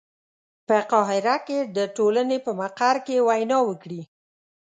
په قاهره کې د ټولنې په مقر کې وینا وکړي.